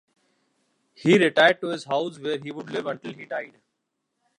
He retired to his house where he would live until he died.